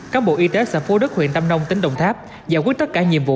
các bộ y tế xã phú đức huyện tâm nông tỉnh đồng tháp giải quyết tất cả nhiệm vụ